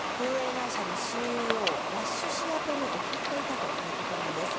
会社のＣＥＯラッシュ氏宛てに送っていたということなんです。